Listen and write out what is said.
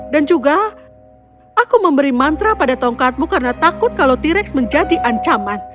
dan juga aku memberi mantra pada tongkatmu karena takut kalau t rex menjadi ancaman